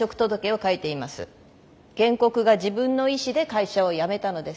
原告が自分の意思で会社を辞めたのです。